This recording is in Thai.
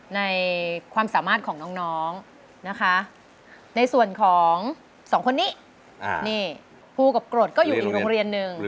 ในความสามารถของน้องนะคะในส่วนของสองคนนี้นี่ภูกับกรดก็อยู่อีกโรงเรียนหนึ่ง